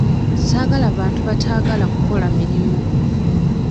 Saagala bantu bataagala kukola mirimu.